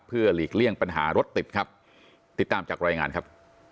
เพื่อหลีกเลี่ยงปัญหารถติดครับติดตามจากรายงานครับ